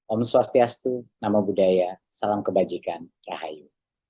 om swastiastu namo buddhaya salam kebajikan rahayu